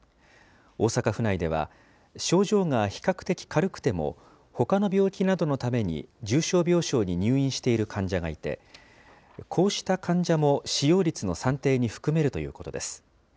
大阪府内では、症状が比較的軽くても、ほかの病気などのために重症病床に入院している患者がいて、こうした患者も使用率の算定に含めるということです。